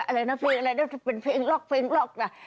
อะไรนะเพลงอะไรเรื่องจะเป็นเพลงล็อกน่ะ